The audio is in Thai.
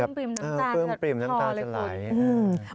เพิ่มปริมน้ำตาจะหลายค่ะพอเลยคุณอืมอืม